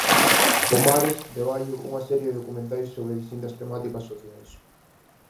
Pomares de Baio unha serie de documentais sobre distintas temáticas sociais.